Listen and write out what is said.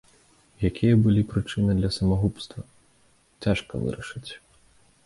Якія былі прычыны для самагубства, цяжка вырашыць.